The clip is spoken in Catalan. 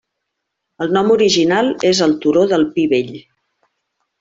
El nom original és el turó del Pi Vell.